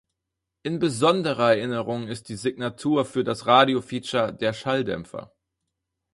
In besonderer Erinnerung ist die Signatur für das Radiofeature Der Schalldämpfer.